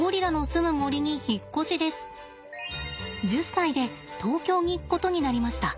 １０歳で東京に行くことになりました。